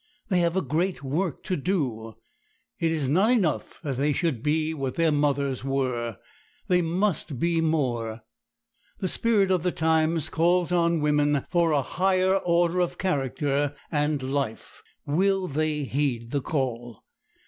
They have a great work to do. It is not enough that they should be what their mothers were—they must be more. The spirit of the times calls on women for a higher order of character and life. Will they heed the call?